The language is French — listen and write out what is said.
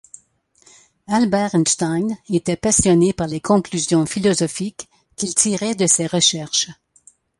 Albert Einstein était passionné par les conclusions philosophiques qu'il tirait de ses recherches.